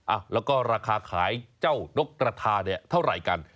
อ่ะแล้วก็ราคาขายเจ้านกกระทาเนี่ยเท่าไหร่กัน